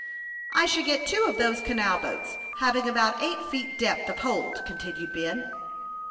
I should get two of those canal boats, having about eight feet depth of hold," continued Ben.